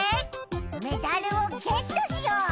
メダルをゲットしよう！